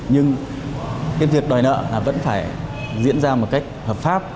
nhưng cái việc đòi nợ vẫn phải diễn ra một cách hợp pháp